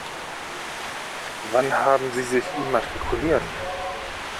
Wann haben Sie sich immatrikuliert?